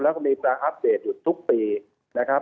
แล้วก็มีการอัปเดตอยู่ทุกปีนะครับ